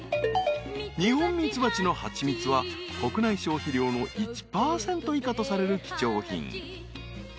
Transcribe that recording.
［ニホンミツバチの蜂蜜は国内消費量の１％以下とされる貴重品］